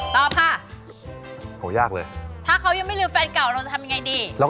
ตอบค่ะ